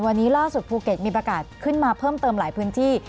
วันนี้ล่าสุดภูเก็ตมีประกาศขึ้นมาเพิ่มเติมหลายพื้นที่